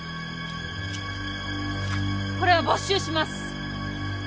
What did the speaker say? これは没収します！